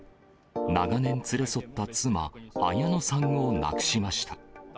長年連れ添った妻、綾乃さんを亡くしました。